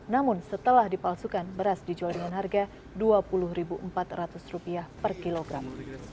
namun setelah dipalsukan beras dijual dengan harga rp dua puluh empat ratus per kilogram